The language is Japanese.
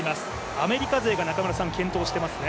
アメリカ勢が健闘していますね。